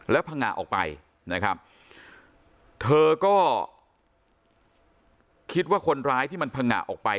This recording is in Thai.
แล้วพังงะออกไปนะครับเธอก็คิดว่าคนร้ายที่มันพังงะออกไป